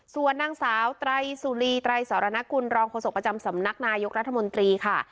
ส่วนนางสาวไตรสุรีไตรสรณกุลรองโฆษกประจำสำนักนายกรัฐมนตรีค่ะ